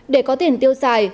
để có tiền tiêu xài